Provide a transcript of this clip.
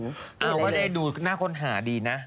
ก็ได้ดูหน้าคนหาดีนะ